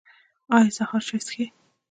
ایا سهار چای څښئ؟